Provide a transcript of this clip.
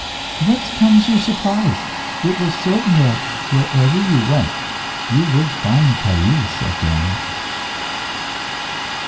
Whence comes your surprise? It was certain that, wherever you went, you would find Thais again."